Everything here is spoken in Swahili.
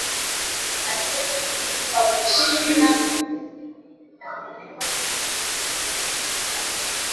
Alifanya uchunguzi wa mashina mizizi viini vya maneno kutoka lugha Mia mbili za Kibantu